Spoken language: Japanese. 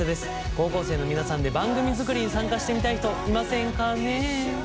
高校生の皆さんで番組作りに参加してみたい人いませんかね？